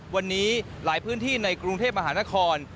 วันนี้หลายพื้นที่ในกรุงเทพมหานคร